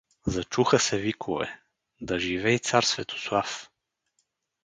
Зачуха се викове: — Да живей цар Светослав!